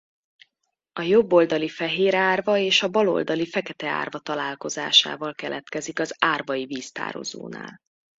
A jobb oldali Fehér-Árva és a bal oldali Fekete-Árva találkozásával keletkezik az Árvai-víztározónál.